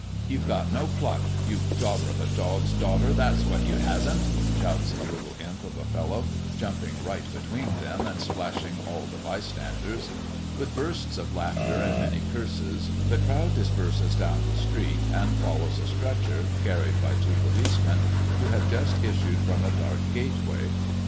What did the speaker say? "You've got no pluck! you daughter of a dog's daughter, that's what you hasn't!" shouts a little imp of a fellow, jumping right between them, and splashing all the bystanders. With bursts of laughter and many curses, the crowd disperses down the street and follows a stretcher, carried by two policemen, who have just issued from a dark gate way.